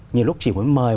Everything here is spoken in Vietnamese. nhiều lúc chỉ muốn mời